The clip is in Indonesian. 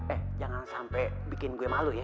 eh jangan sampai bikin gue malu ya